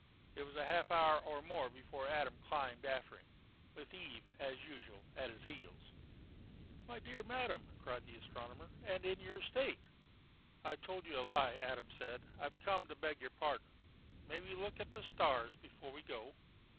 It was half an hour or more before Adam climbed after him, with Eve, as usual, at his heels. "My dear madam!" cried the astronomer, "and in your state!" "I told you a lie," Adam said. "I've come to beg your pardon. May we look at the stars before we go?"